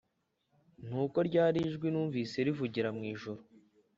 Nuko rya jwi numvise rivugira mu ijuru,